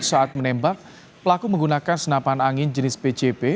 saat menembak pelaku menggunakan senapan angin jenis pcp